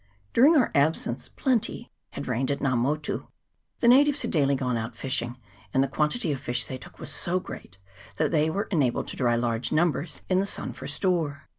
During our absence plenty had reigned at Nga Motu : the natives had daily gone out fishing, and the quantity of fish they took was so great, that they were enabled to dry large numbers in the sun for store.